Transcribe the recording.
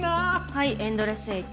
はい『エンドレスエイト』。